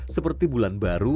seperti bulan baru